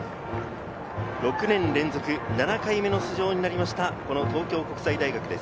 ６年連続７回目の出場になりました、東京国際大学です。